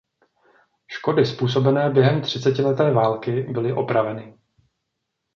Škody způsobené během třicetileté války byly opraveny.